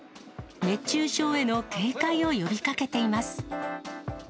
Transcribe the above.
熱中症への警戒を呼びかけています。